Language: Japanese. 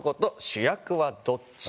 「主役はどっち？」。